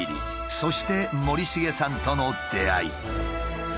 そして森繁さんとの出会い。